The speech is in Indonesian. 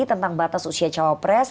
tentang batas usia cawa pres